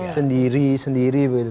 sendiri sendiri begitu